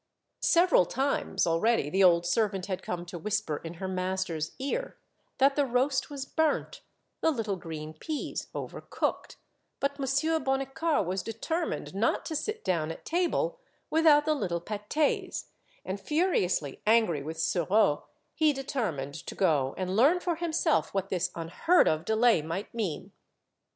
Several times already the old servant had come to whisper in her master's ear that the roast was burnt, the little green peas overcooked ; but Mon sieur Bonnicar was determined not to sit down at table without the little pat^s, and furiously angry with Sureau, he determined to go and learn for himself what this unheard of delay might mean.